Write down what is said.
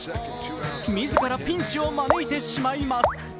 自らピンチを招いてしまいます。